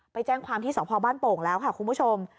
ไปแจ้งความที่สพบ้านโป่งแล้วค่ะคุณผู้ชม